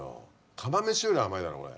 釜飯より甘いだろこれ。